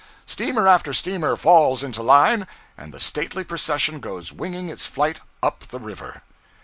Steamer after steamer falls into line, and the stately procession goes winging its flight up the river.